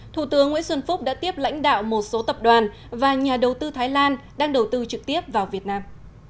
thủ tướng nguyễn xuân phúc đã tiếp lãnh đạo một số tập đoàn và nhà đầu tư thái lan đang đầu tư trực tiếp vào việt nam